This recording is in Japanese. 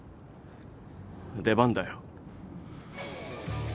出番だよ。